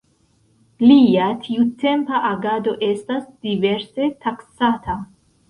Lia tiutempa agado estas diverse taksata.